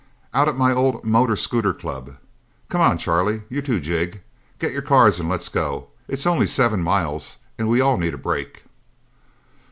Out at my old motor scooter club. Come on, Charlie you, too, Jig get your cars and let's go! It's only seven miles, and we all need a break."